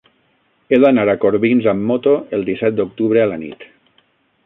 He d'anar a Corbins amb moto el disset d'octubre a la nit.